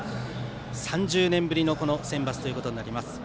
３０年ぶりのセンバツということになります。